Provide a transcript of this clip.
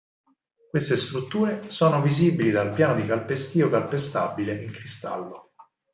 Queste strutture sono visibili dal piano di calpestio calpestabile in cristallo.